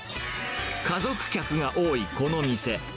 家族客が多いこの店。